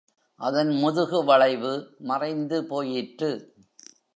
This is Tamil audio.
அதன் முதுகு வளைவு மறைந்து போயிற்று.